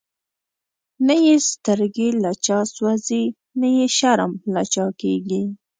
نه یی سترگی له چا سوځی، نه یی شرم له چا کیږی